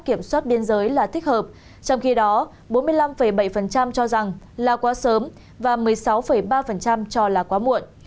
kiểm soát biên giới là thích hợp trong khi đó bốn mươi năm bảy cho rằng là quá sớm và một mươi sáu ba cho là quá muộn